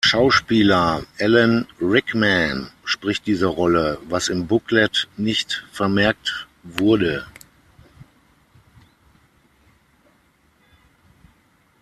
Schauspieler Alan Rickman spricht diese Rolle, was im Booklet nicht vermerkt wurde.